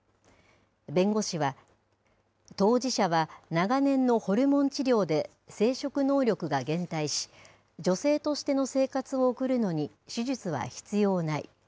弁護士は当事者は長年のホルモン治療で生殖能力が減退し、女性としての生活を送るのに手術は必要ない。